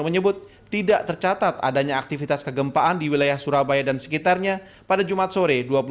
menyebut tidak tercatat adanya aktivitas kegempaan di wilayah surabaya dan sekitarnya pada jumat sore